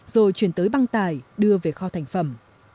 rồi chuyển tới băng tải đưa về kho thành phẩm